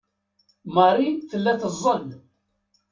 Marie tella teẓẓel.